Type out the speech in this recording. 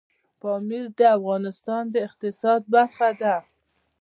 پامیر د افغانستان د اقتصاد برخه ده.